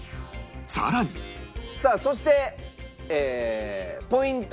さらにさあそしてポイント。